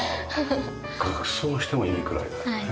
額装してもいいくらいだね。